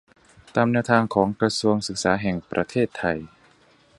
ตามแนวทางของกระทรวงศึกษาแห่งประเทศไทย